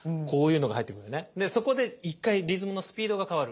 でそこで１回リズムのスピードが変わる。